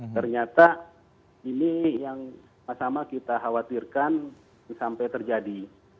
ternyata ini yang sama sama kita khawatirkan sampai terjadi